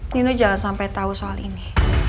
nino jangan sampai tahu soal ini